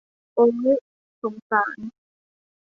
โอ้ย สงสาร